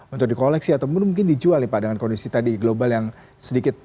untuk di koleksi atau mungkin dijual ya pak dengan kondisi tadi global yang sedikit